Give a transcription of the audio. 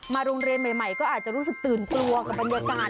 โรงเรียนใหม่ก็อาจจะรู้สึกตื่นกลัวกับบรรยากาศ